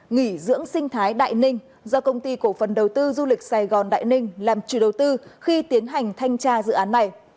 nghỉ dưỡng sinh thái đại ninh do công ty cổ phần đầu tư du lịch sài gòn đại ninh làm chủ đầu tư khi tiến hành thanh tra dự án này